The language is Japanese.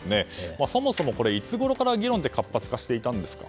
そもそも、いつごろから議論で活発化していたんですか。